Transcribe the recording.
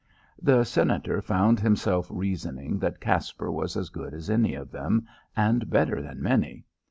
The Senator found himself reasoning that Caspar was as good as any of them, and better than many.